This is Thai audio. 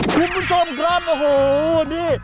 คุณผู้ชมครับโอ้โหนี่